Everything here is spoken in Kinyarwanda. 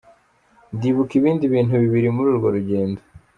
Ndibuka ibindi bintu bibiri muri urwo rugendo.